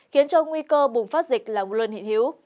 khiến cho nguy cơ bùng phát dịch là một luân hiện hiếu